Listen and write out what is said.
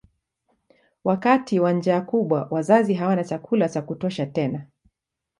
Wakati wa njaa kubwa wazazi hawana chakula cha kutosha tena.